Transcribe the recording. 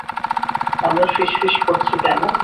আমরা ফিসফিস করছি কেন?